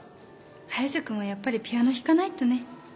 早瀬君はやっぱりピアノ弾かないとね。